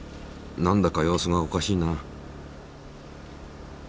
なんだか様子がおかしいな。